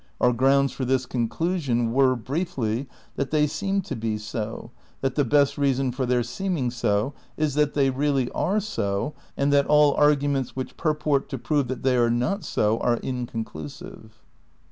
Our grounds for this conclusion, were, briefly, that they seem to be so, that the best reason for their seeming so is that they really are so, and that all arguments which purport to prove that they are not so are inconclusive."